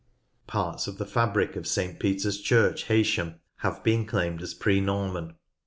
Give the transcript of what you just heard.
Parts of the fabric of St Peter's Church, Heysham, has been claimed as pre Norman.